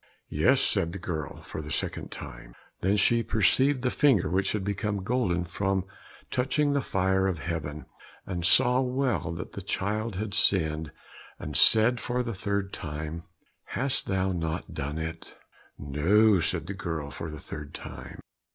"Yes," said the girl, for the second time. Then she perceived the finger which had become golden from touching the fire of heaven, and saw well that the child had sinned, and said for the third time "Hast thou not done it?" "No," said the girl for the third time.